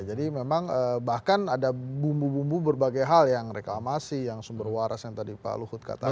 jadi memang bahkan ada bumbu bumbu berbagai hal yang reklamasi yang sumber waras yang tadi pak luhut katakan